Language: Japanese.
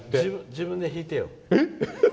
自分で引いてよ。